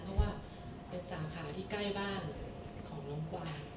ที่เป็นสาขาที่ใกล้บ้านของหลงกวาน